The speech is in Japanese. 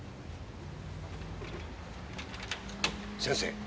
先生。